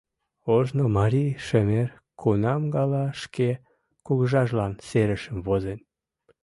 Ожно марий шемер кунам гала шке кугыжажлан серышым возен?